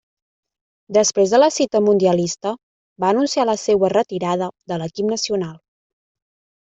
Després de la cita mundialista, va anunciar la seua retirada de l'equip nacional.